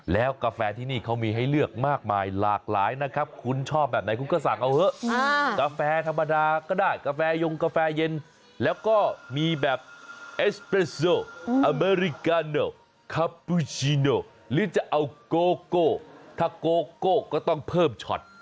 แล้วก็มีแบบเอสเปรสโซอเมริกาโนคาปูชิโนหรือจะเอาโกโก้ถ้าโกโก้ก็ต้องเพิ่มช็อต